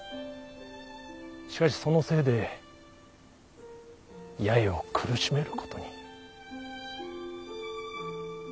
しかしそのせいで八重を苦しめることに。